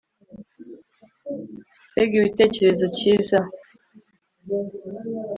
Mbega igitekerezo cyiza